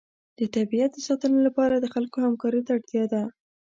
د طبیعت د ساتنې لپاره د خلکو همکارۍ ته اړتیا ده.